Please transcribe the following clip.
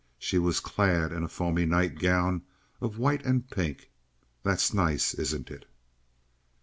She was clad in a foamy nightgown of white and pink. "That's nice, isn't it?"